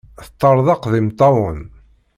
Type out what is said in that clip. Teṭṭerḍeq d imeṭṭawen.